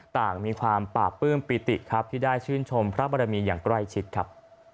ต่างมีความปราบปื้มปิติครับที่ได้ชื่นชมพระบรมีอย่างใกล้ชิดครับ